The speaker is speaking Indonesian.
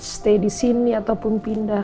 stay di sini ataupun pindah